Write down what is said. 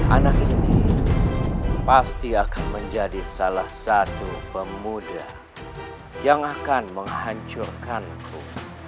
anak ini pasti akan menjadi salah satu pemuda yang akan menghancurkanku